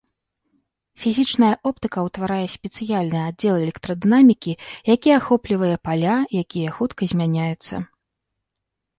Фізічная оптыка ўтварае спецыяльны аддзел электрадынамікі, які ахоплівае паля, якія хутка змяняюцца.